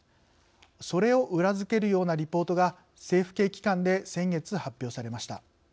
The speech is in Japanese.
それを裏付けるようなリポートが政府系機関で先月、発表されました。